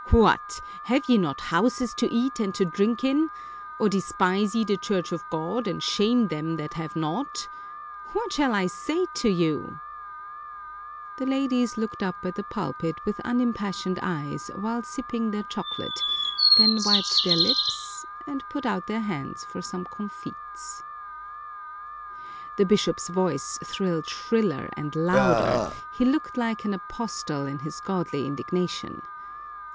" What ! have ye not houses to eat and to drink in ? or despise ye the church of God, and shame them that have not ? What shall I say to you ?" The ladies looked up at the pulpit with unimpassioned eyes, while sipping their chocolate, then wiped their lips, and put out their hands for some comfits. 272 Chiapa Chocolate The bishop's voice thrilled shriller and louder — he looked like an apostle in his godly indignation.